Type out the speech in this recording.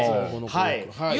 はい。